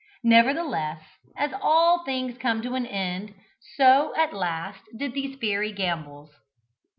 Nevertheless, as all things come to an end, so at last did these fairy gambols.